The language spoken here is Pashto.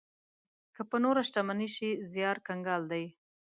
که په نوره شتمني شي زيار کنګال دی.